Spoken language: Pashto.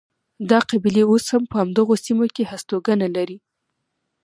دا قبیلې اوس هم په همدغو سیمو کې هستوګنه لري.